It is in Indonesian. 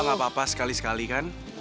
gak apa apa sekali sekali kan